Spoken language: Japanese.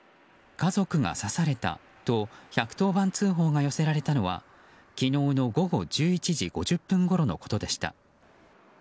家族が刺されたと１１０番通報が寄せられたのは昨日の午後１１時５０分ごろのことでした。